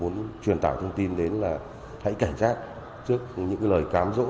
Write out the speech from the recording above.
chúng tôi cũng truyền tạo thông tin đến là hãy cảnh giác trước những lời cám dỗ